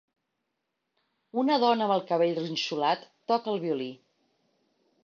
Una dona amb el cabell rinxolat toca el violí